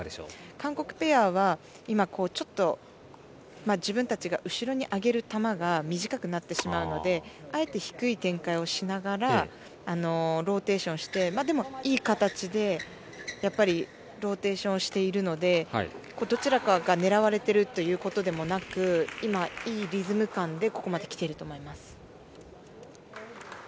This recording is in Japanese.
韓国ペアは今、ちょっと自分たちが後ろに上げる球が短くなってしまうのであえて低い展開をしながらローテーションしていい形でローテーションしているのでどちらかが狙われているということでもなく今、いいリズム感でここまで来てると思います。